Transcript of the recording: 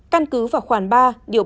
căn cứ vào khoản ba điều ba mươi hai